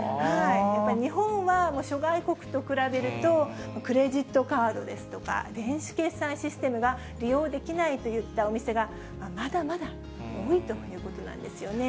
やっぱり日本は諸外国と比べると、クレジットカードですとか、電子決済システムが利用できないといったお店が、まだまだ多いということなんですよね。